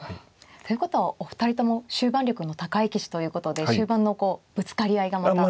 ということはお二人とも終盤力の高い棋士ということで終盤のこうぶつかり合いがまた。